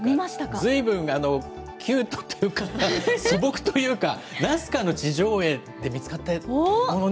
ずいぶんキュートというか、素朴というか、ナスカの地上絵で見つかったものね。